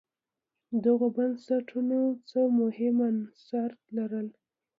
دغو بنسټونو څو مهم عناصر لرل.